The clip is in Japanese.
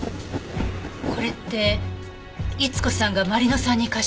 これって伊津子さんがまり乃さんに貸した簪。